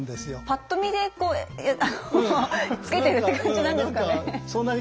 ぱっと見で付けてるって感じなんですかね。